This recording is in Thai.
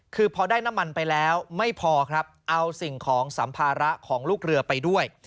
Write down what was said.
คือพอได้น้ำมันไปแล้วไม่พอครับเอาสิ่งของสัมภาระของลูกเรือไปด้วย